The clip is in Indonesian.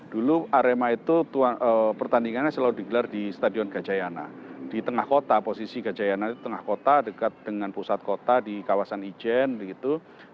dulu arema itu pertandingannya selalu digelar di stadion gajayana di tengah kota posisi gajayana itu tengah kota dekat dengan pusat kota di kawasan ijen gitu